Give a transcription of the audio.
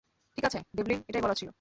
ঠিক আছে, ডেভলিন, এটাই বলার ছিল।